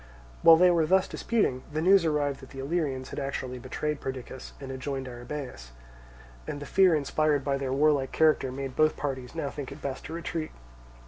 While they were thus disputing, the news arrived that the Illyrians had actually betrayed Perdiccas and had joined Arrhabaeus; and the fear inspired by their warlike character made both parties now think it best to retreat.